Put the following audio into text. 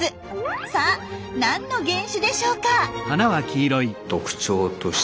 さあ何の原種でしょうか？